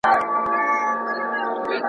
يو ناپوه دئ په گونگۍ ژبه گويان دئ ,